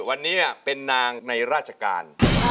วันนี้เป็นนางในราชการ